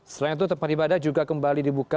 selain itu tempat ibadah juga kembali dibuka